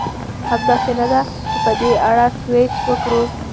همداسې نه ده؟ چې په دې اړه سوچ وکړو.